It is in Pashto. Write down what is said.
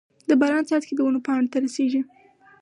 د باران څاڅکي د ونو پاڼو ته رسيږي.